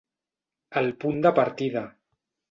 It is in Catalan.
El punt de partida.